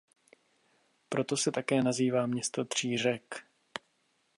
Proto se také nazývá „město tří řek“.